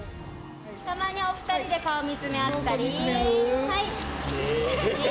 たまにお２人で顔見つめ合ったり。